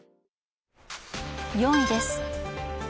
４位です。